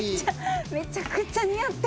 めちゃくちゃ似合ってます。